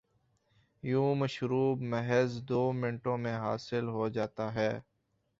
یوں مشروب محض دومنٹوں میں حاصل ہوجاتا ہے۔